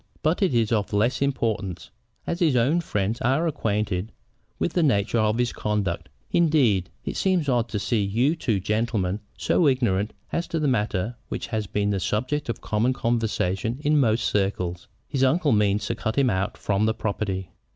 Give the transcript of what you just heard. But it is of less importance, as his own friends are acquainted with the nature of his conduct. Indeed, it seems odd to see you two gentlemen so ignorant as to the matter which has been a subject of common conversation in most circles. His uncle means to cut him out from the property."